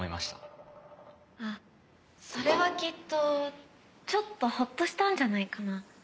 あっそれはきっとちょっとほっとしたんじゃないかな。